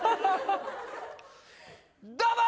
どうも！